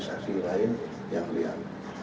saksi lain yang lihat